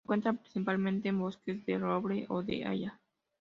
Se encuentra principalmente en bosques de roble o de haya.